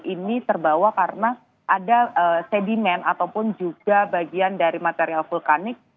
ini terbawa karena ada sedimen ataupun juga bagian dari material vulkanik